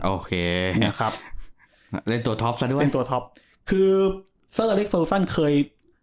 โอเคนะครับเล่นตัวท็อปซะด้วยเล่นตัวท็อปคือเซอร์อเล็กเฟอร์ซันเคย